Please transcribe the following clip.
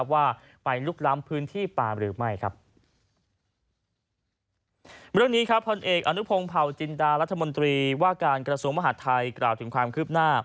ว่าไปลุกล้ำพื้นที่ปากหรือไม่ครับ